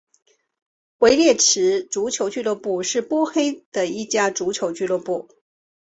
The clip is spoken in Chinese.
维列兹足球俱乐部是波黑的一家足球俱乐部。